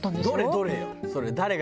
「どれ？どれ？」